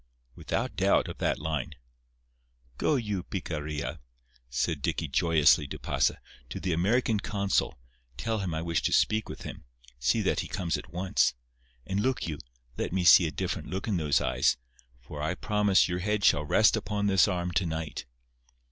"Without doubt, of that line." "Go you, picarilla," said Dicky joyously to Pasa, "to the American consul. Tell him I wish to speak with him. See that he comes at once. And look you! let me see a different look in those eyes, for I promise your head shall rest upon this arm to night."